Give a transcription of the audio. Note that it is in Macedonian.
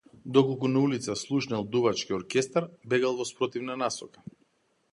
Доколку на улица слушнел дувачки оркестар, бегал во спротивна насока.